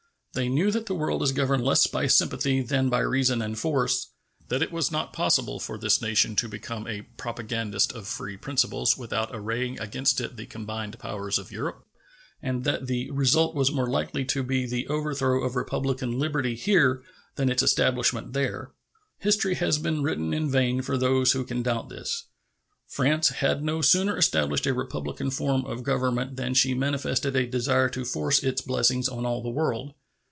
They knew that the world is governed less by sympathy than by reason and force; that it was not possible for this nation to become a "propagandist" of free principles without arraying against it the combined powers of Europe, and that the result was more likely to be the overthrow of republican liberty here than its establishment there. History has been written in vain for those who can doubt this. France had no sooner established a republican form of government than she manifested a desire to force its blessings on all the world.